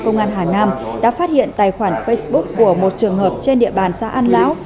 công an hà nam đã phát hiện tài khoản facebook của một trường hợp trên địa bàn xã an lão